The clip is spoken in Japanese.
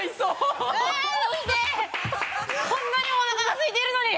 こんなにおなかがすいてるのに。